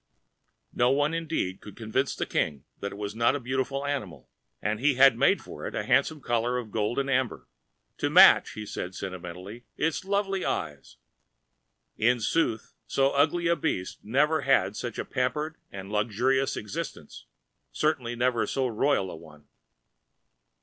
No one indeed could convince the King that it was not a beautiful animal, and he had made for it a handsome collar of gold and amber—"to match," he said, sentimentally, "its lovely eyes." In sooth so ugly a beast never had such a pampered and luxurious ex[Pg 225]istence, certainly never so royal a one.